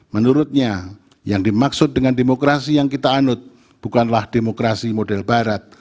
menurutnya yang dimaksud dengan demokrasi yang kita anut bukanlah demokrasi model barat